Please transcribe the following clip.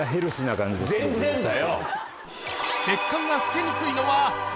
全然だよ！